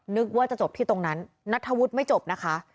นึกว่าจะจบที่ตรงนั้นนัทธวุฒิไม่จบนะคะ